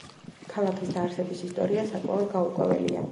ქალაქის დაარსების ისტორია საკმაოდ გაურკვეველია.